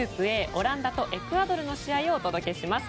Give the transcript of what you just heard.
オランダとエクアドルの試合をお届けします。